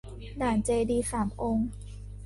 ด่านเจดีย์สามองค์